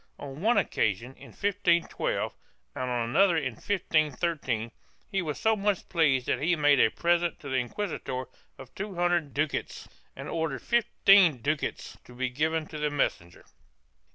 On one occasion, in 1512, and on another in 1513, he was so much pleased that he made a present to the inquisitor of two hundred ducats and ordered fifteen ducats to be given to the messenger.